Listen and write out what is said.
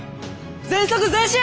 全速前進！